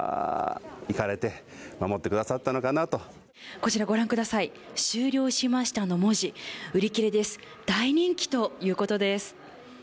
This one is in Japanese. こちらご覧ください、終了しましたの文字、売り切れです、大人気ということです。